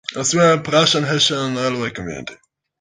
It was built by the Prussian-Hessian railway community.